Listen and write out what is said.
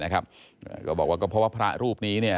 ก็บอกว่าก็เพราะว่าพระรูปนี้